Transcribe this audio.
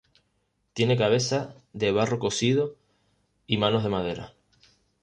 Tiene cabeza de barro cocido y manos de madera.